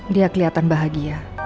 dia keliatan bahagia